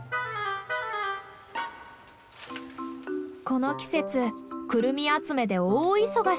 この季節クルミ集めで大忙し。